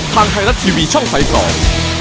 ทางไทยรัททีวีช่องไทยก่อน